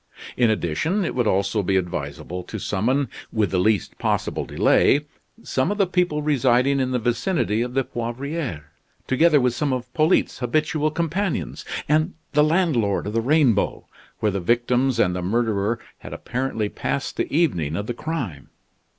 In addition, it would also be advisable to summon, with the least possible delay, some of the people residing in the vicinity of the Poivriere; together with some of Polyte's habitual companions, and the landlord of the Rainbow, where the victims and the murderer had apparently passed the evening of the crime.